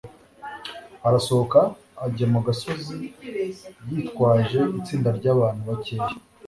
arasohoka ajya mu gasozi yitwaje itsinda ry'abantu bakeya